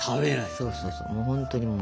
そうそうそう。